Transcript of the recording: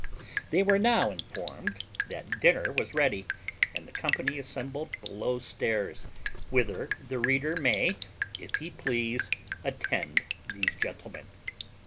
They were now informed that dinner was ready, and the company assembled below stairs, whither the reader may, if he please, attend these gentlemen.